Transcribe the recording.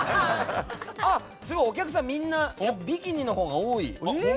お客さん、みんなビキニのほうが多い。